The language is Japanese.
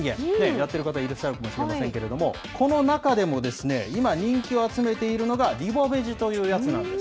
やってる方いらっしゃるかもしれませんけれども、この中でも、今、人気を集めているのが、リボベジというやつなんです。